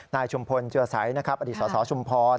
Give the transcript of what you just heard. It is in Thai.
นายชุมพลจุศัยอดีตสสชุมพล